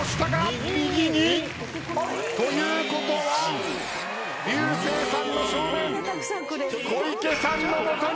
右２。ということは竜星さんの正面小池さんの元に。